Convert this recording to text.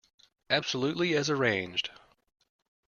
Absolutely as arranged.